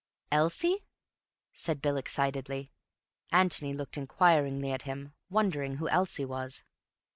"Elsie?" said Bill excitedly. Antony looked inquiringly at him, wondering who Elsie was.